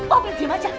oh diam aja